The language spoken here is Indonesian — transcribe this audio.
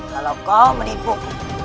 kalau kau menipumu